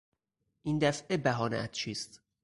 این دفعه بهانهات چیست؟